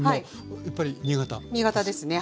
新潟ですね。